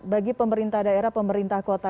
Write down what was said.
bagi pemerintah daerah pemerintah kota